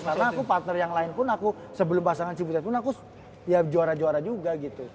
karena aku partner yang lain pun aku sebelum pasangan cibutet pun aku ya juara juara juga gitu